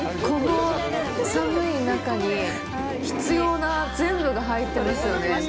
この寒い中に必要な全部が入ってますよね。